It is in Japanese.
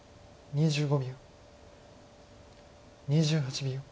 ２８秒。